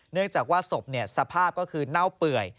เนื่องจากว่าศพสภาพก็คือเน่าเปื่อย